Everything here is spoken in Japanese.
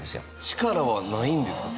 力はないんですか？